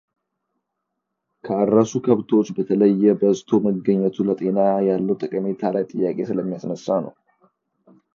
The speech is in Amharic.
ካረሱ ከብቶች በተለየ በዝቶ መገኘቱ ለጤና ያለው ጠቀሜታ ላይ ጥያቄ ስለሚያስነሳ ነው።